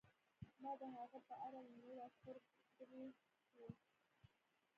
ما د هغه په اړه له نورو عسکرو پوښتلي وو